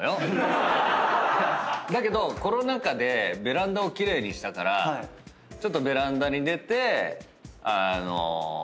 だけどコロナ禍でベランダを奇麗にしたからちょっとベランダに出てあの。